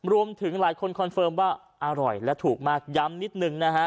รวมถึงหลายคนคอนเฟิร์มว่าอร่อยและถูกมากย้ำนิดนึงนะฮะ